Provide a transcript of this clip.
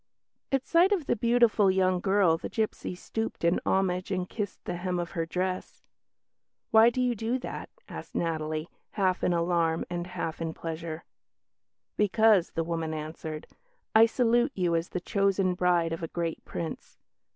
At sight of the beautiful young girl the gipsy stooped in homage and kissed the hem of her dress. "Why do you do that?" asked Natalie, half in alarm and half in pleasure. "Because," the woman answered, "I salute you as the chosen bride of a great Prince.